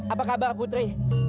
apa kabar putri